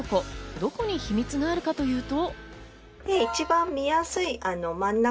どこに秘密があるかというと。